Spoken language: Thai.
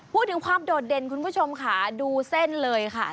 พูดถึงความโดดเด่นคุณผู้ชมค่ะดูเส้นเลยค่ะ